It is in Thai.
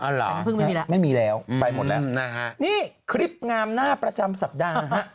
อ๋อเหรอครับไม่มีแล้วไปหมดแล้วนี่คริปงามหน้าประจำสักด้านครับ